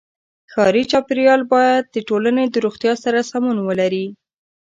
ښاري چاپېریال باید د ټولنې د روغتیا سره سمون ولري.